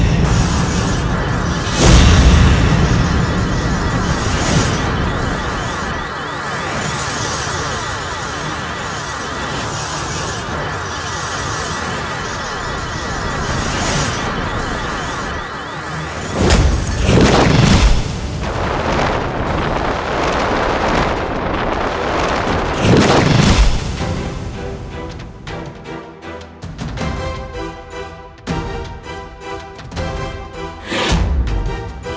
apa yang sudah aku lakukan kepada istri